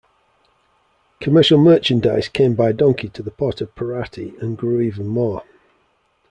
Commercial merchandise came by donkey to the port of Parati and grew even more.